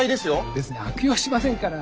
別に悪用しませんから。